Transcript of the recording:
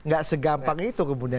gak segampang itu kemudian